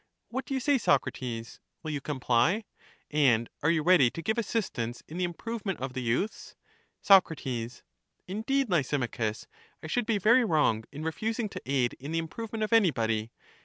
What do you say, Socrates — will you comply? And are you ready to give assistance in the improvement of the youths? Soc, Indeed, Lysimachus, I should be very wrong in refusing to aid in the improvement of anybody.